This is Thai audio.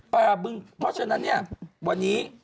ปลาบึงเพราะฉะนั้นวันนี้